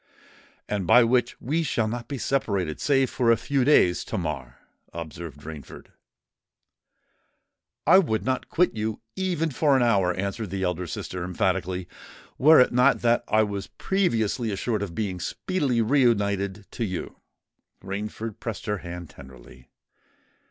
"And by which we shall not be separated, save for a few days, Tamar," observed Rainford. "I would not quit you even for an hour," answered the elder sister, emphatically; "were it not that I was previously assured of being speedily re united to you." Rainford pressed her hand tenderly.